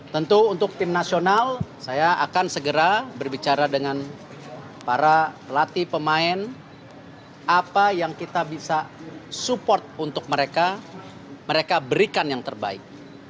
tentu untuk tim nasional saya akan segera berbicara dengan para pelatih pemain apa yang kita bisa support untuk mereka mereka berikan yang terbaik